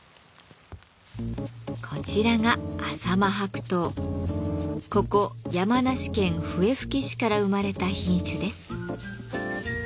こちらがここ山梨県笛吹市から生まれた品種です。